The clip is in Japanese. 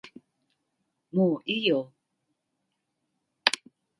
もういいよ